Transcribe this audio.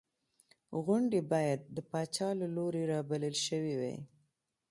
غونډې باید د پاچا له لوري رابلل شوې وې.